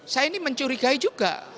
saya ini mencurigai juga